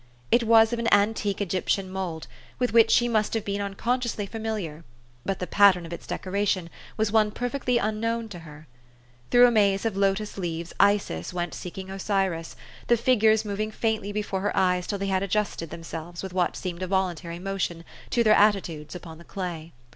It was of an antique Egj'ptian mould, with which she must have been unconsciously familiar ; but the pattern of its decoration was one perfectly unknown to her. Through a maze of 146 THE STORY OF AVIS. lotus leaves Isis went seeking Osiris, the figures moving faintly before her eyes till they had adjusted themselves with what seemed a voluntary motion to their attitudes upon the clay.